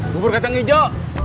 bubur kacang hijau